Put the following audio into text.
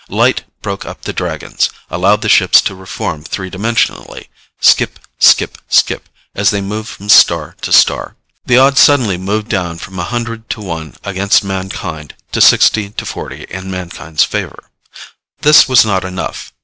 Light broke up the Dragons, allowed the ships to reform three dimensionally, skip, skip, skip, as they moved from star to star. The odds suddenly moved down from a hundred to one against mankind to sixty to forty in mankind's favor. This was not enough.